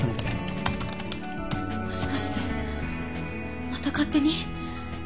もしかしてまた勝手に？